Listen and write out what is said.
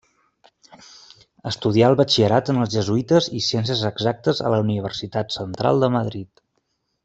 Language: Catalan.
Estudià el batxillerat en els jesuïtes i ciències exactes a la Universitat Central de Madrid.